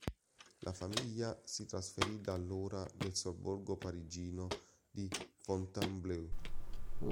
La famiglia si trasferì da allora nel sobborgo parigino di Fontainebleau.